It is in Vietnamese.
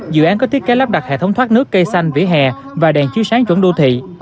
dự án có thiết kế lắp đặt hệ thống thoát nước cây xanh vỉa hè và đèn chiếu sáng chuẩn đô thị